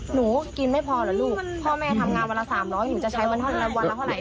หนูกินไม่พอหรอล่ะลูกพ่อแม่ทำงานวันละสามร้อยหนูจะใช้วันละวันละเท่าไหร่